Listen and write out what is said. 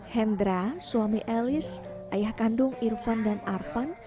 hendra suami elis ayah kandung irfan dan arvan